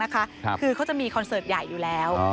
คือเขาจะมีคอนเสิร์ตใหญ่อยู่แล้ว